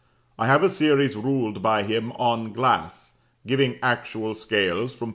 I have a series ruled by him on glass, giving actual scales from .